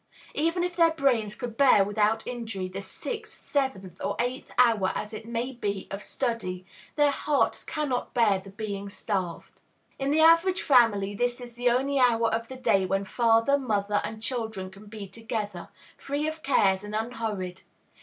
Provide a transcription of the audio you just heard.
Even if their brains could bear without injury the sixth, seventh, or eighth hour, as it may be, of study, their hearts cannot bear the being starved. In the average family, this is the one only hour of the day when father, mother, and children can be together, free of cares and unhurried.